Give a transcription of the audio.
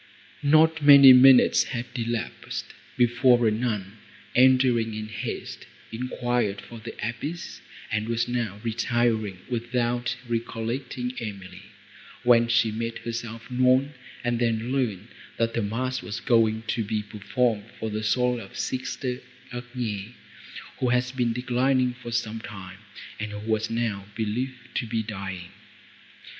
Not many minutes had elapsed, before a nun, entering in haste, enquired for the abbess, and was retiring, without recollecting Emily, when she made herself known, and then learned, that a mass was going to be performed for the soul of sister Agnes, who had been declining, for some time, and who was now believed to be dying.